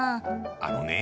あのね